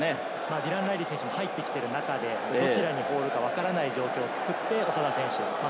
ディラン・ライリー選手が入ってきている中でどちらに放るかわからない状況を作って長田選手。